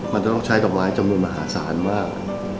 มันจะต้องใช้ดอกไม้จำนวนมหาศาลมาก